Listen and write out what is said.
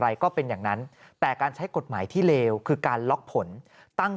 ก็เป็นอย่างนั้นแต่การใช้กฎหมายที่เลวคือการล็อกผลตั้ง